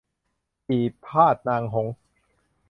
ปี่พาทย์นางหงส์